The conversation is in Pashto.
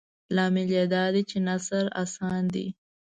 لامل یې دادی چې نثر اسان دی.